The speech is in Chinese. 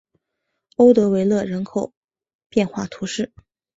欧德维勒人口变化图示